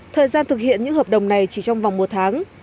thời gian thực hiện những hợp đồng này chỉ trong vòng một tháng